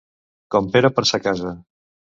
Com Pere per sa casa.